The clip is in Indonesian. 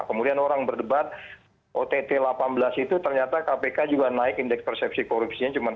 kemudian orang berdebat ott delapan belas itu ternyata kpk juga naik indeks persepsi korupsinya cuma tiga puluh